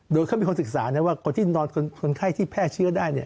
โดยเขามีคนศึกษานะว่าคนที่นอนคนไข้ที่แพร่เชื้อได้เนี่ย